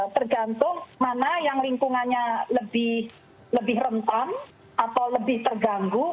tergantung mana yang lingkungannya lebih rentan atau lebih terganggu